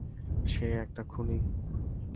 সে একটা খুনি!